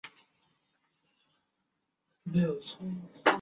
安徽宣州人。